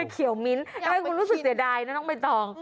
เขียวมิ้นทำให้คุณรู้สึกเสียดายนะน้องใบตอง